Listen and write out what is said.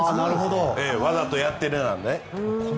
わざとやってるな！って。